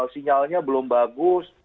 sinyalnya belum bagus